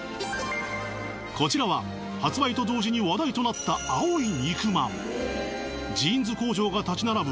こちらは発売と同時に話題となった青い肉まんジーンズ工場が立ち並ぶ